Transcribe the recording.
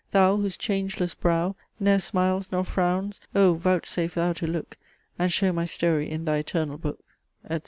Thou, whose changeless brow Ne'er smiles nor frowns! O! vouchsafe thou to look, And shew my story in thy eternal book," etc.